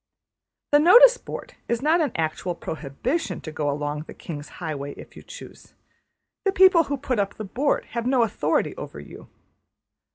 The notice board is not an actual prohibition to go along the ``King's highway'' if you choose. The people who put up the board have no authority over you.